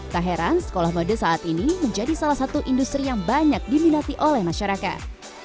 tak heran sekolah mode saat ini menjadi salah satu industri yang banyak diminati oleh masyarakat